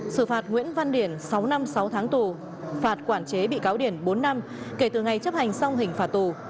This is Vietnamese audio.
xử phạt nguyễn văn điển sáu năm sáu tháng tù phạt quản chế bị cáo điển bốn năm kể từ ngày chấp hành xong hình phạt tù